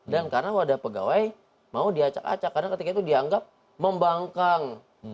dan karena wadah pegawai mau diacak acak karena ketika itu dianggap membangkang